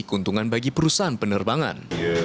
dikuntungan bagi perusahaan penerbangan